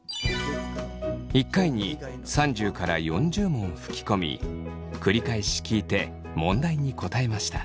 一回に３０から４０問吹き込み繰り返し聞いて問題に答えました。